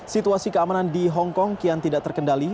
situasi keamanan di hong kong kian tidak terkendali